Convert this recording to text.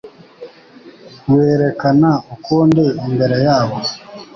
wiyerekana ukundi imbere yabo,